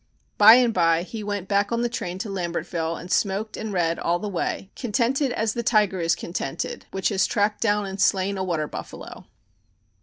By and by he went back on the train to Lambertville and smoked and read all the way, contented as the tiger is contented which has tracked down and slain a water buffalo.